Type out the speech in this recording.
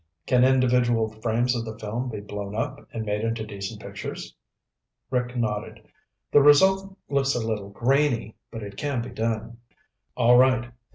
"Can individual frames of the film be blown up and made into decent pictures?" Rick nodded. "The result looks a little grainy, but it can be done." "All right.